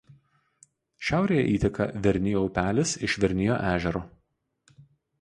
Šiaurėje įteka Vernijo upelis iš Vernijo ežero.